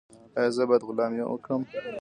ایا زه باید غلا وکړم؟